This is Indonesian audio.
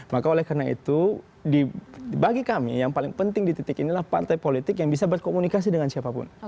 maka oleh karena itu bagi kami yang paling penting di titik inilah partai politik yang bisa berkomunikasi dengan siapapun